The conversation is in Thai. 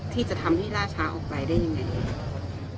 ที่จะทำให้ล่าช้าออกไปได้ยังไง